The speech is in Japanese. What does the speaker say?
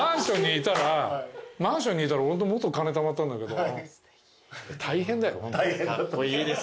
マンションにいたらもっと金たまったんだけど。